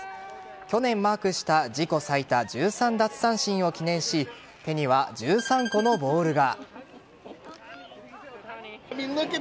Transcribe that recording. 去年マークした自己最多１３奪三振を記念し手には１３個のボールが。